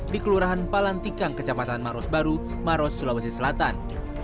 di kelurahan palantikang kejabatan maros baru maros sulawesi selatan